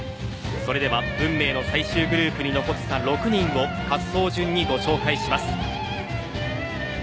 それでは運命の最終グループに残った６人を滑走順にご紹介します。